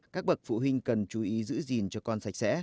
các bậc phụ huynh cần chú ý giữ gìn cho con sạch sẽ